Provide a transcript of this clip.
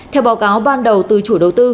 theo báo cáo ban đầu từ chủ đầu tư